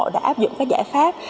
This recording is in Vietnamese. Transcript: đã áp dụng các giải pháp